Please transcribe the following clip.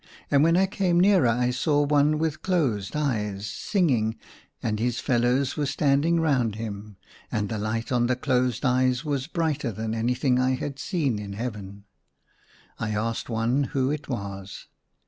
And when I came nearer I saw one with closed eyes, singing, and his fellows were standing round him ; and the light on the closed eyes was brighter than anything I had seen in Heaven. I asked one who it was.